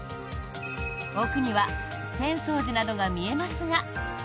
奥には浅草寺などが見えますが。